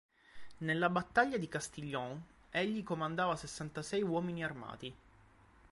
Nella battaglia di Castillon, egli comandava sessantasei uomini armati.